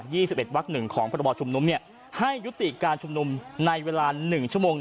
ี่สิบเอ็ดวักหนึ่งของพระบอชุมนุมเนี่ยให้ยุติการชุมนุมในเวลาหนึ่งชั่วโมง